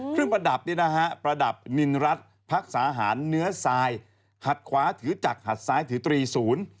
เครื่องประดับนินรัฐพักสาหารเนื้อสายขัดขวาถือจักขัดซ้ายถือตรี่ศูนย์